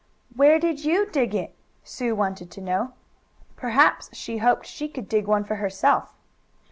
"Where did you dig it?" Sue wanted to know. Perhaps she hoped she could dig one for herself.